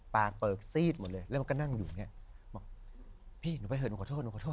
ปากเปิดซีดหมดเลยแล้วมันก็นั่งอยู่เนี่ยบอกพี่หนูไปเถอะหนูขอโทษ